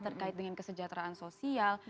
terkait dengan kesejahteraan sosial